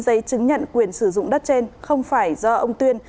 giấy chứng nhận quyền sử dụng đất trên không phải do ông tuyên